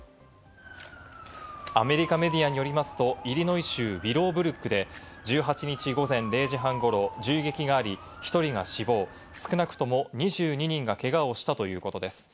アメリカメディアによりますと、イリノイ州ウィローブルックで、１８日午前０時半ごろ、銃撃があり、１人が死亡、少なくとも２２人がけがをしたということです。